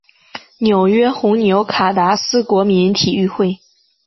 纽约红牛卡达斯国民体育会